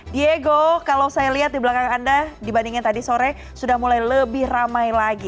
diego kalau saya lihat di belakang anda dibandingkan tadi sore sudah mulai lebih ramai lagi